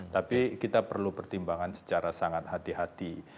tapi kita perlu pertimbangkan secara sangat hati hati